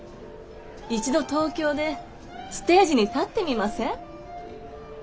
一度東京でステージに立ってみません？